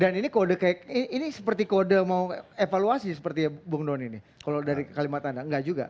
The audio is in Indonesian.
dan ini kode kayak ini seperti kode mau evaluasi seperti bung noni nih kalau dari kalimat anda enggak juga